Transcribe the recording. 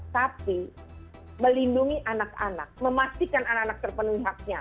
tapi melindungi anak anak memastikan anak anak terpenuhi haknya